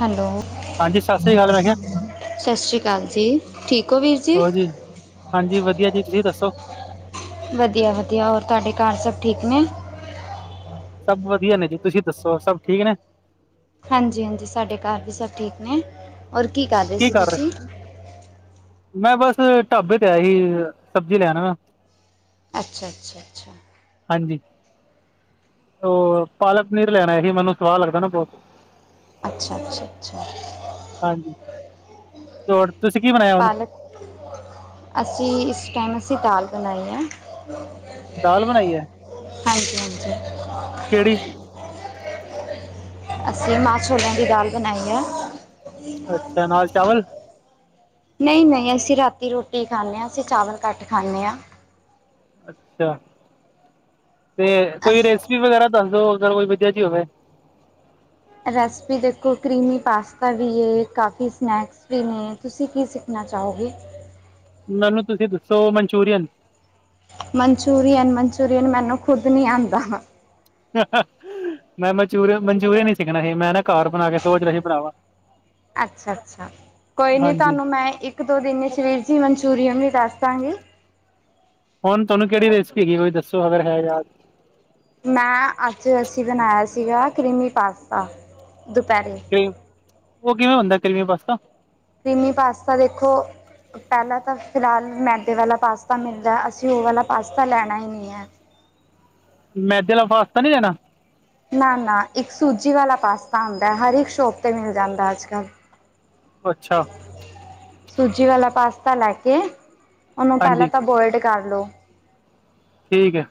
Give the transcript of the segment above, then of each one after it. Hello, ਹਾਂਜੀ ਸਤਿ ਸ੍ਰੀ ਅਕਾਲ ਮੈਂ ਕਿਹਾ ਸਤਿ ਸ਼੍ਰੀ ਅਕਾਲ ਜੀ, ਠੀਕ ਹੋ ਵੀਰ? ਹੋਰ ਜੀ, ਹਾਂਜੀ ਵਧੀਆ ਜੀ, ਤੁਸੀਂ ਦੱਸੋ? ਵਧੀਆ, ਵਧੀਆ ਹੋਰ ਤੁਹਾਡੇ ਘਰ ਸਭ ਠੀਕ ਨੇ? ਸਭ ਵਧੀਆ ਨੇ ਜੀ। ਤੁਸੀਂ ਦੱਸੋ, ਸਭ ਠੀਕ ਨੇ? ਹਾਂਜੀ, ਹਾਂਜੀ ਸਾਡੇ ਘਰ ਵੀ ਸਭ ਠੀਕ ਨੇ। ਔਰ ਕੀ ਕਰ ਰਹੇ ਸੀ ਤੁਸੀਂ? ਮੈਂ ਬੱਸ, ਢਾਬੇ ਤੇ ਆਇਆ ਸੀ ਸਬਜ਼ੀ ਲੈਣ। ਅੱਛਾ, ਅੱਛਾ, ਅੱਛਾ। ਹਾਂਜੀ। ਉਹ ਪਾਲਕ, ਪਨੀਰ ਲੈਣਾ ਹੀ ਮੈਨੂੰ ਸਵਾਦ ਲੱਗਦਾ ਨਾ ਬਹੁਤ। ਅੱਛਾ, ਅੱਛਾ, ਅੱਛਾ। ਲੋੜ [unintelligible] ਤੁਸੀਂ ਕੀ ਬਣਾਇਆ ਹੋਰ? ਪਾਲਕ ਅਸੀਂ, ਇਸ ਟਾਈਮ ਅਸੀਂ ਦਾਲ ਬਣਾਈ ਆ। ਦਾਲ ਬਣਾਈ ਹੈ ਹਾਂਜੀ, ਹਾਂਜੀ। ਕਿਹੜੀ? ਅਸੀਂ, ਮਾਂਹ ਛੋਲਿਆਂ ਦੀ ਦਾਲ ਬਣਾਈ ਹੈ। ਅੱਛਾ, ਨਾਲ ਚਾਵਲ? ਨਹੀਂ, ਨਹੀਂ ਅਸੀਂ ਰਾਤੀ ਰੋਟੀ ਖਾਂਦੇ ਹਾਂ ਅਸੀਂ ਚਾਵਲ ਘੱਟ ਖਾਂਦੇ ਹਾਂ। ਅੱਛਾ, ਤੇ ਕੋਈ ਅਸ- ਰੈਸਿਪੀ ਵਗੈਰਾ ਦੱਸਦੋ? ਅਗਰ ਕੋਈ ਵਧੀਆ ਜੀ ਹੋਵੇ। ਰੈਸਪੀ ਦੇਖੋ, ਕਰੀਮੀ ਪਾਸਤਾ ਵੀ ਏ, ਕਾਫੀ ਸਨੈਕ ਹੂੰ, ਤੁਸੀਂ ਕੀ ਸਿੱਖਣਾ ਚਾਹੋਗੇ? ਮੈਨੂੰ ਤੁਸੀਂ ਦੱਸੋ? ਮਨਚੂਰੀਅਨ। ਮਨਚੂਰੀਅਨ, ਮਨਚੂਰੀਅਨ ਮੈਨੂੰ ਖੁਦ ਨੀ ਆੰਦਾ। [unintelligible] ਹਾ, ਹਾ। ਮੈਂ ਮਨਚੂਰੀਨ, ਮਨਚੂਰੀਅਨ ਈ ਸਿੱਖਣਾ ਸੀ ਮੈਂ ਨਾ ਘੱਰ ਬਣਾ ਕੇ ਸੋਚ ਰਿਹਾ ਸੀ ਬਣਾਵਾ। ਅੱਛਾ, ਅੱਛਾ ਕੋਈ ਨੀ ਹਾਂਜੀ ਤਾਨੂੰ ਮੈਂ ਇੱਕ-ਦੋ ਦਿਨ ਵਿਚ ਵੀਰ ਜੀ, ਮਨਚੂਰੀਅਨ ਵੀ ਦੱਸ ਦਾਂਗੀ। ਹੁਣ, ਤੁਹਨੂੰ ਕੇਹੜੀ ਰੇਸਿਪੀ, ਹੈਗੀ ਏ ਕੋਈ ਦੱਸੋ ਅਗਰ ਹੈ ਯਾਦ? ਮੈਂ, ਅੱਜ ਅਸੀਂ ਬਣਾਯਾ ਸੀਗਾ ਕਰੀਮੀ ਪਾਸਤਾ ਦੁਪੈਰੇ। ਕਰੀਮ, ਓ ਕਿਵੇਂ ਹੁੰਦਾ ਪਸਤਾ? ਕਰੀਮੀ ਪਾਸਤਾ ਦੇਖੋ ਪਹਿਲਾਂ ਤਾਂ ਫਿਲਹਾਲ ਮੈਦੇ ਵਾਲਾ ਪਾਸਤਾ ਮਿਲਦਾ ਐ ਅਸੀਂ ਓ ਵਾਲਾ ਪਾਸਤਾ ਲੈਣਾ ਈ ਨਹੀਂ ਹੈ। ਮੈਦੇ ਵਾਲਾ ਫਾਸਤਾ ਨੀ ਲੈਨਾ? ਨਾ- ਨਾ ਇੱਕ ਸੂਜੀ ਵਾਲਾ ਪਾਸਤਾ ਹੁਦੈ ਹਰ ਇੱਕ ਸ਼ੋਪ ਤੇ ਮਿਲ ਜਾਂਦਾ ਅੱਜ ਕੱਲ੍ਹ। ਅੱਛਾ। ਸੂਜੀ ਵਾਲਾ ਪਾਸਤਾ ਲੈ ਕੇ, ਓਨੂੰ ਹਾਂਜੀ ਪੈਂਲਾਂ ਤਾਂ ਬੋਇਡ ਕਰ ਲੋ। ਠੀਕ ਐ।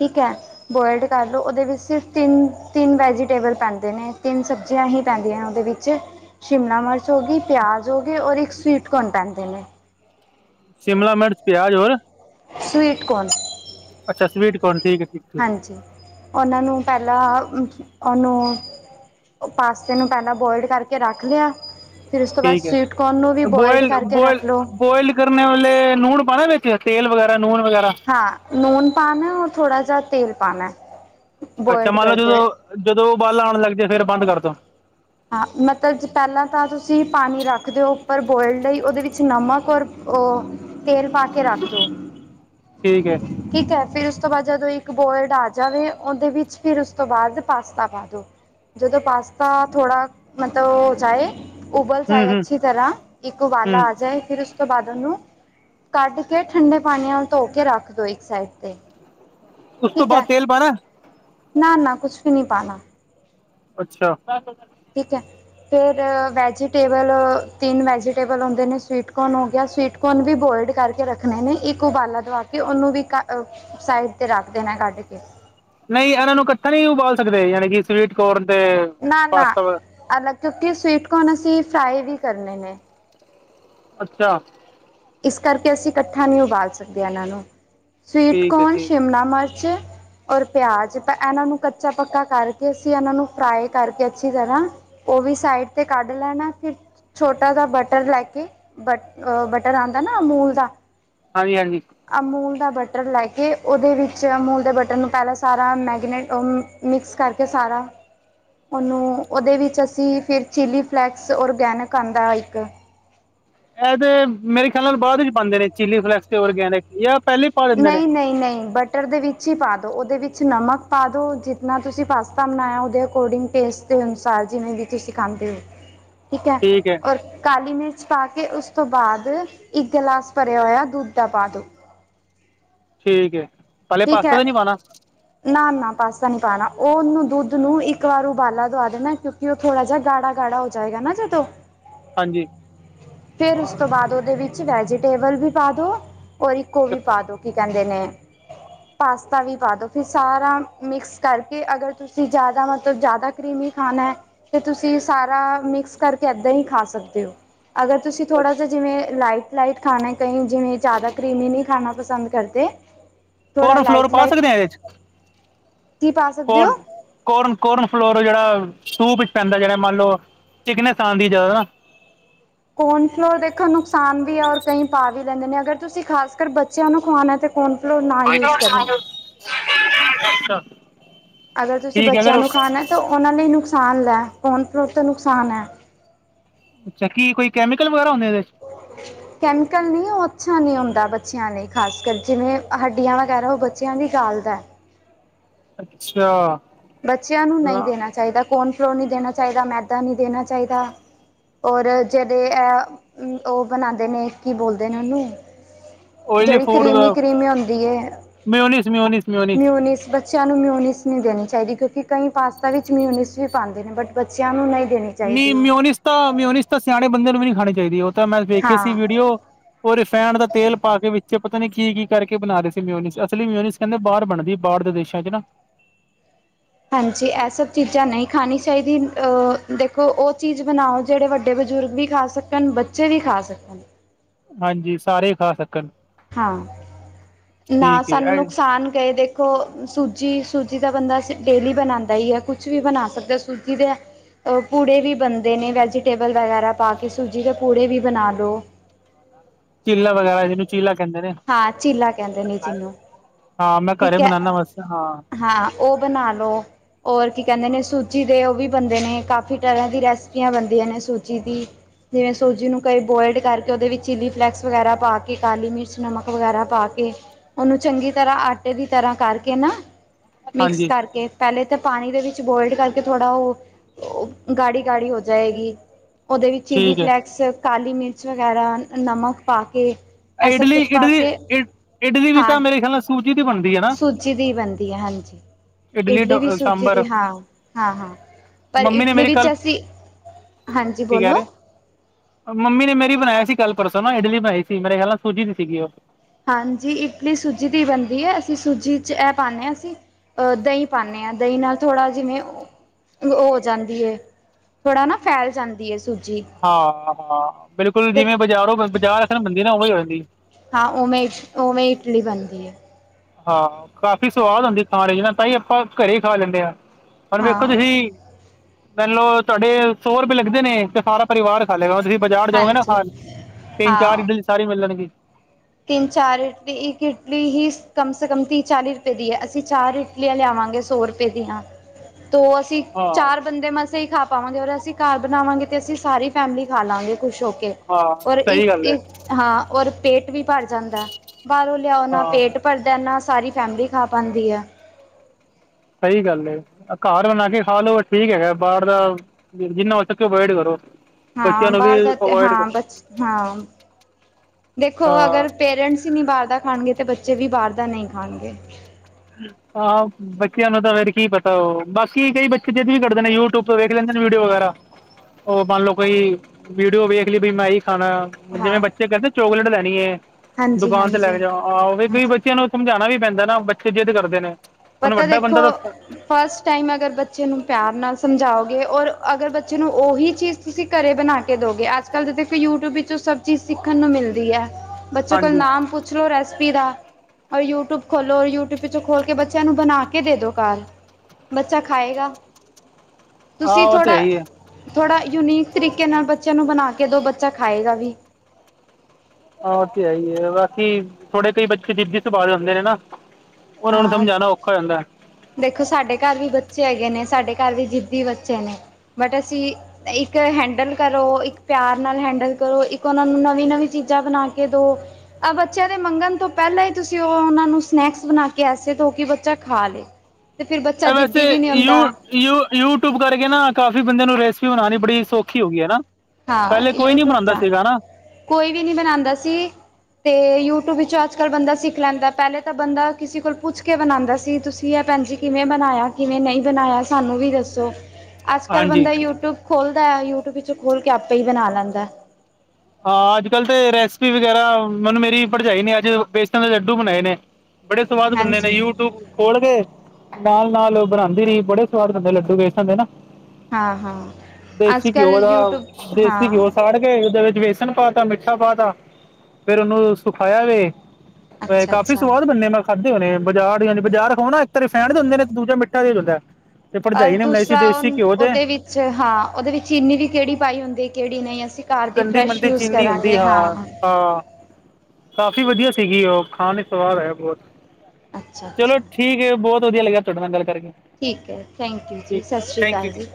ਠੀਕ ਐ? ਬੋਇਲਡ ਕਰ ਲੋ ਓਦੇ ਵਿੱਚ ਸਿਰਫ ਤਿੰਨ -ਤਿੰਨ ਵੈਜੀਟੇਬਲ ਪੈਂਦੇ ਨੇ ਤਿੰਨ ਸਬਜ਼ ਦਹੀ ਪੈਦੀ ਆ ਓਦੇ ਵਿੱਚ ਸ਼ਿਮਲਾ ਮੈਰਚ ਹੋ ਗੀ ਪਿਆਜ ਹੋ ਗਏ ਔਰ ਏਕ ਸਵੀਟਕੌਨ ਪੈਦੇ ਨੇ। ਸ਼ਿਮਲਾ ਮਿਰਚ, ਪਿਆਜ ਹੋਰ? Sweet corn. ਅੱਛਾ ਸਵੀਟਕੋਨ ਠੀਕ, ਐ ਠੀਕ-ਠੀਕ। ਓਨਾਂ ਨੂੰ ਪੈਲਾਂ ਔਨੂੰ ਓ ਪਾਸਤੇ ਨੂੰ ਪੈਲਾਂ ਬੋਇਲਡ ਕਰਕੇ ਰੱਖ ਲਿਆ‌। ਫਿਰ ਉਸ ਤੋਂ ਬਾਦ ਠੀਕ ਹੈ ਸਵੀਟਕੋਰਨ ਨੂੰ ਵੀ ਬੋਇਲਡ ਬੋਇਲ ਕਰਕੇ ਬੋਇਲ ਰੱਖ ਲੋ। ਬੋਇਲ ਕਰਨੇ ਵੇਲੇ ਨੂਨ ਪਾਣੈ ਵੇਚ, ਤੇਲ ਵਗੈਰਾ, ਨੂਣ ਵਗੈਰਾ? ਹਾਂ, ਨੂਨ ਪਾਨੈ ਔਰ ਥੋੜਾ ਜਾ ਤੇਲ ਪਾਨੈ। ਅੱਛਾ, ਮੰਨ ਲੋ ਜਦੋਂ ਜਦੋਂ ਉਬਾਲਾ ਆਣ ਲੱਗਜੇ ਫੇਰ ਬੰਦ ਕਰਦੋ। ਹਾਂ, ਮਤਲਬ ਜ ਪੈਲਾਂ ਤਾਂ ਤੁਸੀਂ ਪਾਨੀ ਰੱਖਦੋ ਉੱਪਰ ਬੋਇਲਡ ਲਈ, ਉਦੇ ਵਿੱਚ ਨਮਕ ਔਰ ਔ ਤੇਲ ਪਾ ਕੇ ਰੱਖ ਦੋ। ਠੀਕ ਹੈ ਠੀਕ ਆ ਫਿਰ ਉਸ ਤੋਂ ਬਾਦ ਜਦੋਂ ਇੱਕ ਬੋਇਰਡ ਆ ਜਾਵੇ ਓਦੇ ਵਿੱਚ ਫਿਰ ਉਸ ਤੋਂ ਬਾਦ ਪਾਸਤਾ ਪਾ ਦੋ। ਜਦੋਂ ਪਾਸਤਾ ਥੋੜਾ, ਮਤ ਓ ਹੋ ਜਾਏ, ਉਬਲ ਹੂੰ ਜਾਏ ਹੂੰ ਅੱਛੀ ਤਰ੍ਹਾਂ, ਇੱਕ ਉਬਾਲਾ ਹੂੰ ਆ ਜਾਏ, ਫਿਰ ਉਸ ਤੋ ਉਸ ਤੋਂ ਬਾਦ ਓਹਨੂੰ, ਕੱਢ ਕੇ ਠੰਡੇ ਪਾਣੀ ਨਾਲ ਧੋ ਕੇ ਰੱਖ ਦੋ ਇੱਕ ਸਾਈਡ ਤੇ। ਉਸ ਤੋਂ ਠੀਕ ਬਾਅਦ ਹੈ ਤੇਲ ਪਾਨੈ? ਨਾ -ਨਾ ਕੁਛ ਵੀ ਨੀ ਪਾਣਾ। ਅੱਛਾ। ਠੀਕ ਐ। ਫੇਰ ਵੈਜੀਟੇਬਲ ਤਿੰਨ ਵੈਜੀਟੇਬਲ ਹੁੰਦੇ ਨੇ ਸਵੀਟਕਨ ਹੋ ਗਿਆ, ਸਵੀਟ ਕੋਨ ਬੀ ਬੋਇਡ ਕਰਕੇ ਰੱਖਣੇ ਨੇ ਇੱਕ ਉਬਾਲਾ ਦਵਾ ਕੇ ਓਨੂੰ ਵੀ ਕ ਸਾਈਡ ਤੇ ਰੱਖ ਦੇਨੈ ਕੱਢ ਕੇ। ਨਾਈ ਐਨਾਂ ਨੂੰ ਕੱਠਾ ਨੀ ਉਬਾਲ ਸਕਦੇ ਯਾਨੀ ਕਿ ਸਵੀਟਕੋਰਨ ਤੇ ਨਾ ਨਾ ਪਾਸਤਾ ਵਗੈ ਅਲੱਗ ਕਿਉਂਕਿ ਸਵੀਟਕੋਰਨ ਅਸੀਂ ਫਰਾਈ ਵੀ ਕਰਨੇ ਨੇ। ਅੱਛਾ। ਇਸ ਕਰਕੇ ਅਸੀਂ ਕੱਠਾ ਨੀ ਉਬਾਲ ਸਕਦੇ ਐਹਨਾਂ ਨੂੰ। ਠੀਕ ਹੈ ਸਵੀਟਕੋਰਨ, ਠੀਕ ਸ਼ਿਮਲਾ-ਮਰ ਚ ਔਰ ਪਿਆਜ ਤ ਐਨਾਂ ਨੂੰ ਕੱਚਾ-ਪੱਕਾ ਕਰਕੇ ਅਸੀਂ ਐਨਾਂ ਨੂੰ ਫਰਾਈ ਕਰਕੇ ਅੱਛੀ ਤਰ੍ਹਾਂ ਓ ਵੀ ਸਾਈਡ ਤੇ ਕੱਢ ਲੈਣਾ, ਫਿਰ ਛੋਟਾ ਜਾ ਬਟਰ ਲੈ ਕੇ ਬਟ ਅ ਬਟ ਆਂਦਾ ਨਾ ਅਮੂਲ ਦਾ ਹਾਂਜੀ-ਹਾਂਜੀ। ਅਮੂਲ ਦਾ ਬਟਰ ਲੈ ਕੇ ਓਦੇ ਵਿੱਚ ਅਮੂਲ ਦੇ ਬਟਰ ਨੂੰ ਪੈਲਾਂ ਸਾਰਾ ਮੈਗਨੇਟ ਮਿਕਸ ਕਰਕੇ ਸਾਰਾ ਓਨੂੰ ਓਦੇ ਵਿੱਚ ਅਸੀਂ ਫਿਰ ਚਿੱਲੀ ਫਲੇੈਕਸ ਔਰਗੈਨਿਕ ਆਦੈ ਇੱਕ ਐਦੇ ਮੇਰੇ ਖਿਆਲ ਨਾਲ ਬਾਦ ਵਿੱਚ ਪਾਦੇ ਨੇ ਚਿੱਲੀ ਫਲੈਕਸ ਤੇ ਔਰਗਨ ਜਾਂ ਪੈਲੀ ਨਹੀਂ- ਨਹੀਂ- ਨਹੀਂ ਬ ਟਰ ਦੇ ਵਿੱਚ ਹੀ ਪਾ ਦੋ ਓਦੇ ਵਿੱਚ ਨਮਕ ਪਾ ਦੋ ਜਿੱਤਨਾ ਤੁਸੀਂ ਪਾਸਤਾ ਬਣਾਇਆ ਓਦੇ ਅਕੋਰਡਿੰਗ ਟੇਸ ਅਨੁਸਾਰ ਜਿਵੇਂ ਵੀ ਤੁਸੀਂ ਖਾਦੇ ਓ ਠੀਕ ਐ ਔਰ ਕਾਲੀ ਮੇ ਰਚ ਪਾ ਕੇ ਉਸ ਤੋਂ ਬਾਦ, ਇੱਕ ਗਿਲਾਸ ਭਰਿਆ ਹੋਇਆ ਦੁੱਧ ਦਾ ਪਾ ਦੋ। ਠੀਕ ਹੈ, ਪਹਲੇ ਠੀਕ ਪਾਸਤਾ ਹੈ ਤਾਂ ਨਹੀਂ ਪਾਉਣਾ? ਨਾ- ਨਾ ਪਾਸਤਾ ਨੀ ਪਾਣਾ। ਓਹਨੂੰ ਦੁੱਧ ਨੂੰ ਇੱਕ ਵਾਰ ਉਬਾਲਾ ਦਵਾ ਦੇਣਾ, ਕਿਉਕ ਕਿ ਓਹ ਥੋੜਾ ਜਾ ਗਾੜਾ-ਗਾੜਾ ਹੋ ਜਾਏਗਾ ਨਾ ਜਦੋਂ ਹਾਂਜੀ। ਫੇਰ ਉਸ ਤੋਂ ਬਾਦ ਔਦੇ ਵਿੱਚ ਵੈਜੀਟੇਬਲ ਵੀ ਪਾ ਦੋ। ਔਰ ਇੱਕ‌ ਔ ਵੀ ਪਾ ਦੋ, ਕੀ ਕੈੰਦੇ ਨੇ ਪਾਸਤਾ ਵੀ ਪਾ ਦੋ। ਫੇਰ ਸਾਰਾ ਮਿਕਸ ਕਰਕੇ, ਅਗਰ ਤੁਸੀਂ ਜਾਦਾ ਮਤਲਬ ਜਾਦਾ ਕਰੀਮੀ ਖਾਣਾ ਏ। ਤੇ ਤੁਸੀਂ ਸਾਰਾ ਮਿਕਸ ਕਰਕੇ ਏਦਾਂ ਹੀ ਖਾ ਸਕਦੇ ਔ। ਅਗਰ ਤੁਸੀਂ ਥੋੜਾ ਜਾ ਜਿਵੇਂ ਲਾਈਟ ਲਾਈਟ ਖਾਣਾ ਏ, ਕਈ ਜਿਵੇਂ ਜਾਦਾ ਕਰੀਮੀ ਨੀ ਖਾਣਾ ਪਸੰਦ ਕਰਦੇ। ਥੋੜਾ ਕੌਨੋ ਫਲੋਰ ਲਾਈਟ ਪਾ ਸਕਦੇ ਆਂ ਐਦੇ ਚ? ਕੀ ਪਾ ਸਕਦੇ ਔ? ਕੋਰਨ ਕੋਰਨ- ਕੋਰਨ ਫਲੋਰ ਹੇ ਜੇੜਾ, ਸੂਪ ਇਚ ਪੈਂਦੈ ਜੇੜਾ। ਮੰਨ ਲੋ ਚਿਕਨਸ ਆਂਦੀ ਜਿਆਦਾ। ਕੋਰਨ ਫਲੋਰ ਦੇਖੋ ਨੁਕਸਾਨ ਵੀ ਐ, ਔਰ ਕਈ ਪਾ ਵੀ ਲੈਂਦੇ ਨੇ। ਅਗਰ ਤੁਸੀਂ ਖਾਸ ਕਰ ਬੱਚਿਆਂ ਨੂੰ ਖਵਾਣੈ ਤੇ ਕੌਣ ਫਲੋਰ ਨਾ ਯੂਜ ਅੱਛਾ ਕਰਨਾ। [unintelligible] ਅਗਰ ਤੁਸੀਂ ਠੀਕ ਹੈ ਬੱਚਿਆਂ ਅਗਰ ਨੂੰ ਖਾਣਾ ਤਾਂ ਉਹਨਾਂ ਲਈ ਨੁਕਸਾਨ ਨੈ, ਕੌਣ ਫਲੋਰ ਤਾਂ ਨੁਕਸਾਨ ਹੈ। ਅੱਛਾ, ਕੀ ਕੋਈ ਕੈਮੀਕਲ ਵਗੈਰਾ ਹੁੰਦੇ ਇਹਦੇ ਚ। ਹ [unintelligible] ਕੈਮੀਕਲ ਨਹੀਂ, ਉਹ ਅੱਛਾ ਨਹੀਂ ਆਂਦਾ ਬੱਚਿਆਂ ਲਈ ਖ਼ਾਸ ਕਰ। ਜਿਵੇਂ ਹੱਡੀਆਂ ਵਗੈਰਾ ਉਹ ਬੱਚਿਆਂ ਲਈ ਗਾਲਦਾ ਹੈ। ਅੱਛਾ। ਬੱਚਿਆਂ ਨੂੰ ਨਹੀਂ ਦੇਣਾ ਚਾਹੀਦਾ। ਕੋਨ ਫਲੋਰ ਨਹੀਂ ਦੇਣਾ ਚਾਹੀਦਾ, ਮੈਦਾ ਨਹੀਂ ਦੇਣਾ ਚਾਹੀਦਾ। ਔਰ ਜਿਹੜੇ ਉਹ ਬਣਾਉਂਦੇ ਨੇ, ਕੀ ਬੋਲਦੇ ਨੇ ਉਹਨੂੰ। ਓਇਲੀ ਜਿਹੜੀ ਫੂਡ ਕਰੀਮੀ- ਕਰੀਮੀ ਹੁੰਦੀ ਐ। ਮਿਓਨੀਸ ਮਿਓਨੀਸ ਮਿਓਨੀਸ ਮਿਊਨਿਸ ਬ- ਬੱਚਿਆਂ ਨੂੰ ਮਿਊਨਿਸ ਨਹੀਂ ਦੇਣੀ ਚਾਹੀਦੀ। ਕਿਉਂਕਿ ਕਈ ਪਾਸਤਾ ਵਿੱਚ ਮਿਊਨਿਸ ਵੀ ਪਾਉਂਦੇ ਨੇ। ਬਟ ਬੱਚਿਆਂ ਨੂੰ ਨਹੀਂ ਦੇਣੀ। ਨਹੀਂ ਚਾਹੀਦੀ ਉਹ ਮਿਊਨਿਸ ਤਾਂ, ਮਿਊਨਿਸ ਤਾਂ ਸਿਆਣੇ ਬੰਦੇ ਨੂੰ ਵੀ ਨਹੀਂ ਖਾਣੀ ਚਾਹੀਦੀ। ਉਹ ਤਾਂ ਮੈਂ ਵੇਖੀ ਸੀ, ਹਾਂ ਵੀਡੀਓ। ਉਹ ਰਿਫੈਨ ਦਾ ਤੇਲ ਪਾ ਕੇ, ਵਿੱਚ ਪਤਾ ਨੀ ਕੀ- ਕੀ ਕਰਕੇ ਬਣਾ ਰਹੇ ਸੀ ਮਿਉਨੀ, ਅਸਲੀ ਮਿਉਨੀ ਕਹਿੰਦੇ ਬਾਹਰ ਬਣਦੀ, ਬਾਹਰ ਦੇ ਦੇਸ਼ਾਂ ਚ ਨਾ। ਹਾਂਜੀ ਇਹ ਸਭ ਚੀਜ਼ਾਂ ਨਹੀਂ ਖਾਣੀ ਚਾਹੀਦੀ ਅ। ਦੇਖੋ ਉਹ ਚੀਜ਼ ਬਣਾਓ ਜਿਹੜੇ ਵੱਡੇ ਬਜ਼ੁਰਗ ਵੀ ਖਾ ਸ- ਖਾ ਸਕਣ ਬੱਚੇ ਵੀ ਖਾ ਸਕਣ। ਹਾਂਜੀ ਸਾਰੇ ਹੀ ਖਾ ਸਕਣ। ਹਾਂ ਨਾ ਠੀਕ ਸਾਨੂੰ ਹੈ ਨੁਕਸਾਨ ਕਏ ਤੇ। ਖੋ ਸੂਜੀ- ਸੂਜੀ ਤਾਂ ਬੰਦਾ ਡੇਲੀ ਬਣਉਦਾ ਹੀਈ ਹੈ। ਕੁਛ ਵੀ ਬਣਾ ਸਕਦਾ ਸੂਜੀ ਦੇ- ਪੂੜੇ ਵੀ ਬਣਦੇ ਨੇ, ਵੈਜੀਟੇਬਲ ਵਗੈਰਾ ਪਾ ਕੇ ਸੂਜੀ ਦੇ ਪੂੜੇ ਵੀ ਬਣਾ ਲਉ। ਚੀਲਾ ਵਗੈਰਾ, ਜਿਨੂੰ ਚੀਲਾ ਕਹਿੰਦੇ ਨੇ। ਹਾਂ ਚੀਲਾ ਕਹਿੰਦੇ ਨੇ ਜਿਹਨੂੰ, ਹਾਂ ਮੈਂ ਘਰੇ ਠੀਕ ਹੈ ਬਣਾਉਦਾ ਬਸ ਹਾਂ ਹਾਂ। ਉਹ ਬਣਾ ਲਓ। ਔਰ ਕੀ ਕਹਿੰਦੇ ਨੇ ਸੂਚੀ ਦੇ ਉਹ ਵੀ, ਬਣਦੇ ਨੇ ਕਾਫੀ ਤਰਾਂ ਦੀ ਰੈਸਪੀਆਂ, ਬਣਦੀਆਂ ਨੇ ਸੂਚੀ ਦੀ। ਜਿਵੇਂ ਸੂਜੀ ਨੂੰ ਕਈ ਬੋਇਲਡ ਕਰਕੇ, ਉਹਦੇ ਵਿੱਚ ਚਿੱਲੀ ਫਲੇਕਸ ਵਗੈਰਾ ਪਾ ਕੇ, ਕਾਲੀ ਮਿਰਚ, ਨਮਕ, ਵਗੈਰਾ ਪਾ ਕੇ ਉਹਨੂੰ ਚੰਗੀ ਤਰਾਂ ਆਟੇ ਦੀ ਤਰਾਂ ਕਰਕੇ ਨਾ, ਮਿਕਸ ਹਾਂਜੀ ਕਰਕੇ। ਪਹਿਲੇ ਤੇ ਪਾਣੀ ਦੇ ਵਿੱਚ ਬੋਇਲਡ ਕਰਕੇ, ਥੋੜਾ ਉਹ ਗਾੜੀ- ਗਾੜੀ ਹੋ ਜਾਏਗੀ। ਉਹਦੇ ਵਿੱਚ ਚਲੀ ਠੀਕ ਹੈ ਫਲੇਕਸ, ਕਾਲੀ ਮਿਰਚ ਵਗੈਰਾ ਨਮਕ ਪਾ ਕੇ, ਇਹ ਸਭ ਇਡਲੀ ਕੁਛ ਇਡ ਪਾ ਲੀ- ਕੇ ਇੱਡ ਲੀ ਵੀ ਹਾਂ ਤਾਂ ਮੇਰੇ ਖਿਆਲ ਨਾਲ ਸੂਜੀ ਦੀ ਬਣਦੀ। ਹੈ ਨਾ ਸੂਜੀ ਦੀ ਬਣਦੀ ਹੈ, ਹਾਂਜੀ। ਇਡਲੀ ਵੀ ਸੂਚੀ ਦੀ ਹਾਂ, ਹਾਂ- ਹਾਂ ਪਰ ਮੰਮੀ ਨੇ ਇਡਲੀ ਮੇਰੀ ਵਿੱਚ ਕੱਲ ਅਸੀਂ, ਹਾਂਜੀ ਕੀ ਕਹਿ ਬੋਲੋ। ਰਹੇ ਮੰਮੀ ਨੇ ਮੇਰੀ ਬਣਾਇਆ ਸੀ ਕੱਲ ਪਰਸੋਂ ਨਾ, ਇਡਲੀ ਬਣਾਈ ਸੀ। ਮੇਰੇ ਖਿਆਲ ਨਾਲ ਸੂਜੀ ਦੀ ਸੀਗੀ ਉਹ। ਹਾਂਜੀ ਇਡਲੀ ਸੂਜੀ ਦੀ ਬਣਦੀ ਹੈ। ਅਸੀਂ ਸੂਜੀ ਇਹ ਪਾਉਂਦੇ ਹਾਂ ਅਸੀਂ। ਅਹ ਦਹੀਂ ਪਾਉਂਦੇ ਹਾਂ, ਦਹੀਂ ਨਾਲ ਥੋੜਾ ਜਿਵੇਂ ਹੋ ਜਾਂਦੀ ਏ, ਥੋੜ੍ਹਾ ਨਾ ਫੈਲ ਜਾਂਦੀ ਏ ਸੂਜੀ। ਹਾਂ-ਹਾਂ, ਬਿਲਕੁਲ ਤੇ ਜਿਵੇਂ ਬਾਜ਼ਾਰੋਂ ਬਾਜ਼ਾਰ ਅ ਬੰਦੀ ਨਾ ਉਵੇ ਹੋ ਜਾਂਦੀ। ਹਾਂ ਉਵੇਂ ਇਟ ਉਵੇਂ ਇਡਲੀ ਬਣਦੀ ਏ। ਹਾਂ, ਕਾਫ਼ੀ ਸਵਾਦ ਹੁੰਦੀ ਖਾਣੇ ਜ ਨਾ ਤਾਂਹੀ ਆਪਾਂ ਘਰੇ ਈ ਖਾ ਲੈਂਦੇ ਆ। ਹੁਣ ਹਾਂ ਵੇਖੋ ਤੁਸੀਂ ਪਹਿਲੋ ਤ੍ਹ‌ਾਡੇ ਸੌ ਰੁਪਏ ਲੱਗਦੇ ਨੇ, ਤੇ ਸਾਰਾ ਪਰਿਵਾਰ ਖਾ ਲ‌‌ੇਗਾ ਹੁਣ ਤੁਹੀ ਬਾਜ਼ਾਰ ਜਾਓਗੇ ਨਾ ਹਾਂਜੀ ਖਾਣ। ਤਿੰਨ-ਚਾਰ ਇਡਲੀ ਸਾਰੀ ਮਿਲਣਗੀ। ਤਿੰਨ-ਚਾਰ ਇਟਲੀ। ਇੱਕ ਇਟਲੀ ਹੀ ਕਮ ਸੇ ਕਮ ਤੀਹ ਚਾਲੀ ਰੁਪਏ ਦੀ ਐ, ਅਸੀਂ ਚਾਰ ਇਟ ਲਿਆਵਾਂਗੇ ਸੌ ਰੁਪਏ ਦੀਆਂ, ਤੋ ਅਸੀਂ ਹਾਂ ਚਾਰ ਬੰਦੇ ਮਸਾਂ ਈ ਖਾ ਪਾਵਾਂਗੇ ਔਰ ਅਸੀਂ ਘਰ ਬਣਾਵਾਂਗੇ ਤੇ ਅਸੀਂ ਸਾਰੀ ਫੈਮਿਲੀ ਖਾ ਲਾਗੇਂ ਖੁਸ਼ ਹੋ ਕੇ। ਹਾਂ ਔਰ ਸਹੀ ਗੱਲ ਹੈ ਇਸ-ਇਸ, ਹਾਂ ਔਰ ਪੇਟ ਵੀ ਭਰ ਜਾਂਦਾ। ਬਾਹਰੋਂ ਲਿਆਉਣਾ ਹਾਂ ਪੇਟ ਪਰਦਿਆ ਨਾ ਸਾਰੀ ਫੈਮਿਲੀ ਖਾ ਪਾਂਦੀ ਐ। ਸਹੀ ਗੱਲ ਏ। ਘਾਰ ਬਣਾ ਕੇ ਖਾ ਲਓ ਠੀਕ ਹੈਗਾ ਬਾਹਰ ਦਾ ਜਿੰਨਾਂ ਹੋ ਸਕੇ ਵਾਈਡ ਕਰੋ। ਹਾਂ ਬੱਚਿਆਂ ਨੂੰ ਵੀ ਬਾਹਰ ਦਾ ਤੇ ਅਵੋਇਡ ਹਾਂ ਬਚ ਹਾਂ ਦੇਖੋ ਹਾਂ ਅਗਰ ਪੇਰੈਂਟਸ ਨੀ ਬਾਹਰ ਦਾ ਖਾਣਗੇ ਤੇ ਬੱਚੇ ਵੀ ਬਾਹਰ ਦਾ ਨ‌ਈ ਖਾਣਗੇ। ਹਾਂ। ਬੱਚਿਆਂ ਨੂੰ ਤਾਂ ਫੇਰ ਕੀ ਪਤਾ ਓ ਬਾਕੀ ਕਈ ਬੱਚੇ ਜਿਵੇਂ ਵੀ ਕੱਢਦੇ ਨੇ ਯੂ ਟੂਬ ਤੋਂ ਵੇਖ ਲੈਂਦੇ ਨੇ ਵੀਡੀਓ ਵਗੈਰਾ। ਉਹ ਮੰਨ ਲਓ ਕੋਈ ਵੀਡੀਓ ਵੇਖ ਲਈ ਬ‌ਈ ਮੈਂ ਏ ਈ ਖਾਣਾਂ ਹਾਂ ਜਿਵੇਂ ਬੱਚੇ ਕਹਿੰਦੇ ਚੋਕਲੇਟ ਲੈਣੀ ਏ, ਦੁਕਾਨ ਤੇ ਹਾਂਜੀ-ਹਾਂਜੀ, ਲੈ ਕੇ ਜਾਓ ਆ ਹਾਂਜੀ। ਕਈ ਹਾਂਜੀ ਬੱਚਿਆਂ ਨੂੰ ਸਮਝਾਣਾ ਵੀ ਪੈਂਦਾ ਨਾ ਬੱਚੇ ਜਿੱਦ ਕਰਦੇ ਨੇ। ਹੁਣ ਪਤਾ ਵੱਡਾ ਦੇਖੋ ਬੰਦਾ ਤਾਂ ਫਸਟ ਟਾਈਮ ਅਗਰ ਬੱਚੇ ਨੂੰ ਪਿਆਰ ਨਾ ਸਮਝਾਓਗੇ ਔਰ ਅਗਰ ਬੱਚੇ ਨੂੰ ਉਹੀ ਚੀਜ਼ ਤੁਸੀਂ ਘਰੇ ਬਣਾ ਕੇ ਦੋਗੇ। ਅੱਜ ਕਲ੍ਹ ਤਾਂ ਦੇਖੋ ਯੂ ਟੂਬ ਵਿੱਚੋ ਸਭ ਚੀਜ਼ ਸਿੱਖਣ ਨੂੰ ਮਿਲਦੀ ਐ। ਬੱਚੋ ਕੋਲ ਹਾਂਜੀ ਨਾਮ ਪੁੱਛ ਲੋ ਰੈਸਪੀ ਦਾ। ਔਰ ਯੂ ਟੂਬ ਖੋਲੋ ਯੂਟਿਊਬ ਵਿਚੋ ਖੋਲ ਕੇ ਬ ਬੱਚਿਆਂ ਨੂੰ ਬਨਾਕੇ ਦੇ ਦੋ ਘਾਰ। ਬੱਚਾ ਖਾਏਗਾ। ਆਹ ਤੁਸੀਂ ਉਹ ਤੇ ਹੈ ਥੋੜ੍ਹਾ ਹੀ ਹੈ ਥੋੜ੍ਹਾ ਯੂਨੀਕ ਤਰੀਕੇ ਨਾ ਬੱਚਿਆਂ ਨੂੰ ਬਣਾ ਕੇ ਦੋ ਬੱਚਾ ਖਾਏਗਾ ਵੀ ਆਹ ਤੇ ਹੈ ਈ ਐ ਬਾਕੀ, ਥੋੜੇ ਕਈ ਬੱਚੇ ਜਿੱਦੀ ਸੁਭਾਅ ਹੁੰਦੇ ਨੇ ਨਾ ਉਹਨਾਂ ਨੂੰ ਹਾਂ ਸਮਝਾਣਾ ਔਖਾ ਹੋ ਜਾਂਦਾ ਐ। ਦੇਖੋ ਸਾਡੇ ਘਰ ਵੀ ਬੱਚੇ ਹੈਗੇ ਨੇ ਸਾਡੇ ਘਰ ਵੀ ਜਿੱਦੀ ਬੱਚੇ ਨੇ ਬਟ ਅਸੀਂ ਇੱਕ ਹੈਂਡਲ ਕਰੋ ਇੱਕ ਪਿਆਰ ਨਾਲ ਹੈਂਡਲ ਕਰੋ ਇੱਕ ਉਹਨਾਂ ਨੂੰ ਨਵੀਂ-ਨਵੀਂ ਚੀਜ਼ਾਂ ਬਣਾ ਕੇ ਦੋ। ਆਹ ਬੱਚਿਆਂ ਦੇ ਮੰਗਣ ਤੋਂ ਪਹਿਲਾਂ ਹੀ ਤੁਸੀਂ ਉਹ ਉਹਨਾਂ ਨੂੰ ਸਨੈਕਸ ਬਣਾ ਐਸੇ ਦੋ ਕੇ ਬੱਚਾ ਖਾ ਲੇ ਤੇ ਫੇਰ ਬੱਚਾ ਜਿੱਦੀ ਵੀ ਨੀ ਹੁੰਦਾ। ਯੂ-ਯੂਟਿਊਬ ਕਰਕੇ ਨਾ ਕਾਫ਼ੀ ਬੰਦਿਆ ਨੂੰ ਰੈਸਿਪੀ ਬਨਾਣੀ ਬੜੀ ਸੌਖੀ ਹੋ ਗਈ ਏ ਨਾ। ਹਾਂ ਪਹਿਲੇ ਕੋਈ ਨੀ ਯੂਟਿਊਬ ਬਣਾਂਦਾ ਦਾ ਸੀਗਾ ਹਨਾ। ਕੋਈ ਵੀ ਨੀ ਬਨਾਂਦਾ ਸੀ। ਤੇ ਯੂਟਿਊਬ ਵਿੱਚੋਂ ਅੱਜ ਕੱਲ੍ਹ ਬੰਦਾ ਸਿੱਖ ਲੈਂਦਾ। ਪਹਿਲੇ ਤਾਂ ਬੰਦਾ ਕਿਸੇ ਕੋਲ ਪੁੱਛ ਕੇ ਬਨਾਂਦਾ ਸੀ, ਤੁਸੀਂ ਏ ਭੈਣ ਜੀ ਕਿਵੇਂ ਬਨਾਇਆ, ਕਿਵੇਂ ਨ‌ਈ ਬਨਾਇਆ, ਸਾਨੂੰ ਵੀ ਦੱਸੋ। ਅੱਜ ਕੱਲ੍ਹ ਹਾਂਜੀ ਬੰਦਾ ਯੂਟਿਊਬ ਖੋਲਦਾ ਐ, ਯੂਟਿਊਬ ਵਿਚੋ ਖੋਲ ਕੇ ਆਪੇ ਈ ਬਣਾ ਲੈਂਦਾ। ਹਾਂ ਅੱਜ ਕੱਲ ਤੇ ਰੈਸਿਪੀ ਵਗੈਰਾ, ਮੈਨੂੰ ਮੇਰੀ ਭਰਜਾਈ ਨੇ ਅੱਜ ਬੇਸਨ ਦੇ ਲੱਡੂ ਬਣਾਏ ਨੇ। ਬੜੇ ਸਵਾਦ ਬਣਦੇ ਨੇ ਹਾਂਜੀ ਯੂਟਊਬ ਖੋਲ ਕੇ, ਨਾਲ-ਨਾਲ ਬਨਾਂਦੀ ਰ‌ਈ ਬੜੇ ਸਵਾਦ ਬਣਦੇ ਲੱਡੂ ਵੇਸਣ ਦੇ ਨਾ। ਹਾਂ ਹਾਂ ਅੱਜ ਦੇਸੀ ਘਿਓ ਕੱਲ੍ਹ ਦਾ ਯੂਟਿਊਬ ਦੇਸੀ ਹਾਂ ਘਿਓ ਸਾੜ ਕੇ ਉਹਦੇ ਵਿੱਚ ਵੇਸਨ ਪਾ ਤਾ ਮਿੱਠਾ ਪਾ ਤਾ, ਫੇਰ ਉਹਨੂੰ ਸੁਖਾਇਆ ਵੇ। ਅੱਛਾ ਕਾਫ਼ੀ ਅੱਛਾ ਸਵਾਦ ਬਨਣੇ ਮੈਂ ਖਾਧੇ ਹੋਏ ਨੇ, ਬਾਜ਼ਾਰ ਜਾਣੀ ਬਾਜ਼ਾਰ ਖਾਓ ਨਾ ਇੱਕ ਤੇ ਰਿਫੈਂਡ ਦੇ ਹੁੰਦੇ ਨੇ, ਤੇ ਦੂਜਾ ਮਿੱਟਾ ਤੇਜ ਹੁੰਦਾ ਤੇ ਭਰਜਾਈ ਬਨਾਏ ਸੀ ਦੇਸੀ ਘਿਓ ਦੇ ਅੱਛਾ, ਹਾਂ ਉਹਦੇ ਵਿੱਚ ਚੀਨੀ ਵੀ ਕਿਹੜੀ ਪਾਈ ਹੁੰਦੀ ਕਿਹੜੀ ਨਹੀਂ ਅਸੀ ਘਰ ਦੀ ਗੰਦੀ ਫਰੈਸ਼ ਮੰਦੀ ਯੂਜ ਚੀਨੀ ਹੁੰਦੀ ਕਰਾਂਗੇ ਹਾਂ। ਹਾਂ, ਕਾਫੀ ਵਧੀਆ ਸੀਗੀ ਉਹ ਖਾਨ ਵਿਚ ਸਵਾਦ ਆਇਆ ਬਹੁਤ ਅੱਛਾ ਚਲੋ ਅੱਛਾ ਠੀਕ ਏ, ਬਹੁਤ ਵਧੀਆ ਲੱਗਿਆ ਤੁਹਾਡੇ ਨਾ ਗੱਲ ਕਰਕੇ। ਠੀਕ ਐ, ਥੈਂਕ ਯੂ ਜੀ, ਠੀਕ ਸਾਸ਼ਰੀ ਥੈਂਕ ਯੂ ਕਾਲ ਜੀ।